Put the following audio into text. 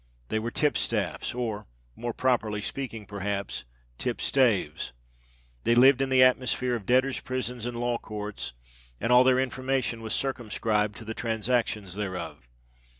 They were tipstaffs—or, more properly speaking, perhaps, tipstaves: they lived in the atmosphere of debtors' prisons and law courts;—and all their information was circumscribed to the transactions thereof.